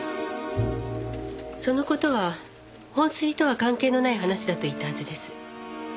その事は本筋とは関係のない話だと言ったはずです。